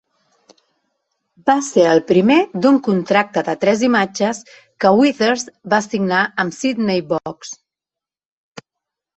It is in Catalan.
Va ser el primer d'un contracte de tres imatges que Withers va signar amb Sydney Box.